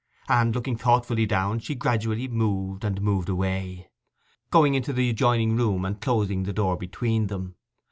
And, looking thoughtfully down, she gradually moved and moved away, going into the adjoining room, and closing the door between them.